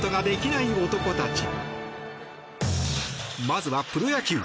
まずはプロ野球。